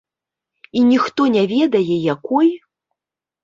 І ніхто не ведае, якой?